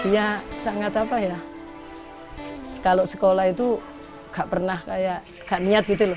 ya sangat apa ya kalau sekolah itu gak pernah kayak gak niat gitu loh